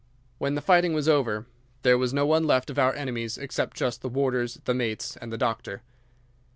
When the fighting was over there was no one left of our enemies except just the warders, the mates, and the doctor.